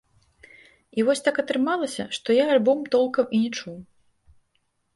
І вось так атрымалася, што я альбом толкам і не чуў.